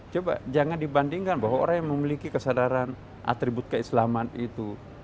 coba jangan dibandingkan bahwa orang yang memiliki kesadaran atribut keislaman itu